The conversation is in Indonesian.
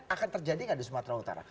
akan terjadi nggak di sumatera utara